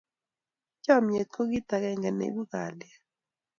Chamnyet ko kit akenge ne ibu kalyet